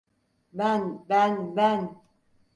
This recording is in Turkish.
Ben, ben, ben!